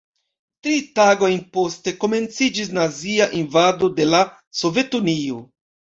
Tri tagojn poste komenciĝis nazia invado de la Sovetunio.